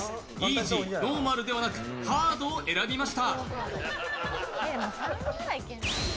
イージー、ノーマルではなく、ハードを選びました。